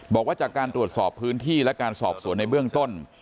บอกว่าจากการตรวจสอบพื้นที่และการสอบสวนในเบื้องต้น